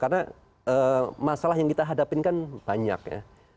karena masalah yang kita hadapin kan banyak ya